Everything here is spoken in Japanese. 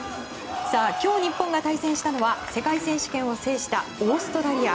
今日、日本が対戦したのは世界選手権を制したオーストラリア。